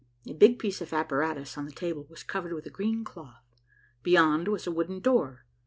A big piece of apparatus on the table was covered with a green cloth. Beyond was a wooden door.